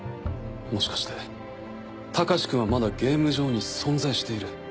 もしかして隆君はまだゲーム上に存在している。